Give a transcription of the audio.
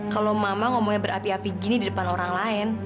kalau mama ngomongnya berapi api gini di depan orang lain